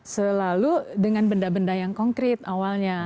selalu dengan benda benda yang konkret awalnya